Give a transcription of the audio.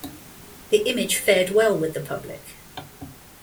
The image fared well with the public.